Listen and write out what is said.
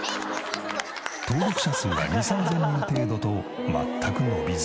登録者数は２０００３０００人程度と全く伸びず。